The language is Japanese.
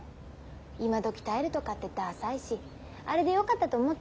今どき耐えるとかってダサいしあれでよかったと思って。